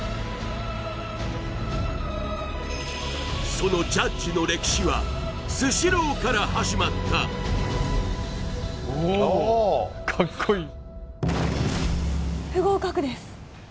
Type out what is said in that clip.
そのジャッジの歴史はスシローから始まった・不合格です